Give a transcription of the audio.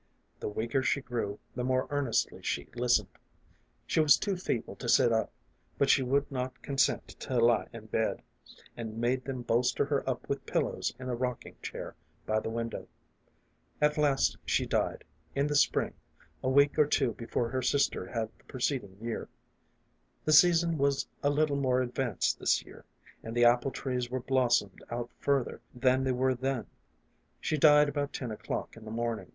The weaker she grew, the more earnestly she listened. She was too feeble to sit up, but she would not consent to lie in bed, and made them bolster her up with pillows in a rock ing chair by the window. At last she died, in the spring, 2l8 A FAR AWAY MELODY. a week or two before her sister had the preceding year. The season was a little more advanced this year, and the apple trees were blossomed out further than they were then. She died about ten o'clock in the morning.